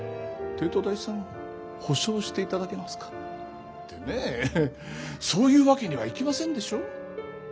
帝都大さん補償していただけますかってねぇそういうわけにはいきませんでしょう？